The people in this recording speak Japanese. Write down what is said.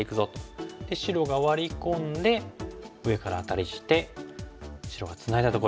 白がワリ込んで上からアタリして白がつないだところ。